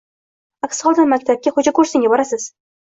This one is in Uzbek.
Aks holda, maktabga xo‘jako‘rsinga borasiz.